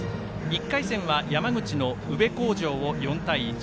１回戦は山口の宇部鴻城を４対１。